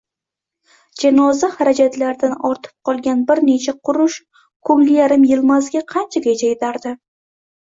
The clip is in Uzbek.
Janoza harajatlaridan ortib qolgan bir necha qurush ko'ngli yarim Yilmazga qanchagacha yetardi?!